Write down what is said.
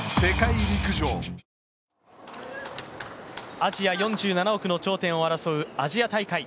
アジア４７億の頂点を争うアジア大会。